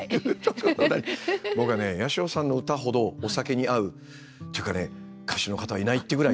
僕はね八代さんの歌ほどお酒に合うっていうかね歌手の方はいないっていうぐらい。